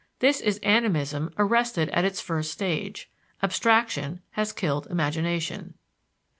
This is animism arrested at its first stage; abstraction has killed imagination.